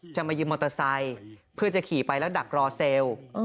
มายืมมอเตอร์ไซค์เพื่อจะขี่ไปแล้วดักรอเซลล์